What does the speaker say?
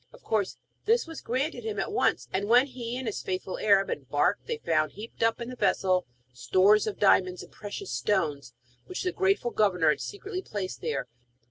Of course this was granted him at once, and when he and his faithful Arab embarked they found, heaped up in the vessel, stores of diamonds and precious stones, which the grateful governor had secretly placed there.